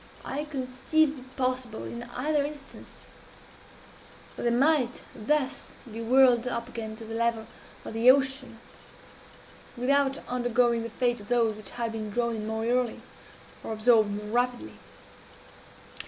I conceived it possible, in either instance, that they might thus be whirled up again to the level of the ocean, without undergoing the fate of those which had been drawn in more early or absorbed more rapidly.